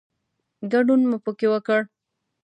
ګډون مو پکې وکړ.